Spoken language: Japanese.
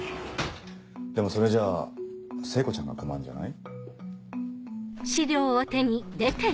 でもそれじゃあ聖子ちゃんが困るんじゃない？